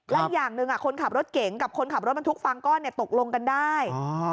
และอย่างหนึ่งอ่ะคนขับรถเก่งกับคนขับรถบรรทุกฝั่งก้อนเนี่ยตกลงกันได้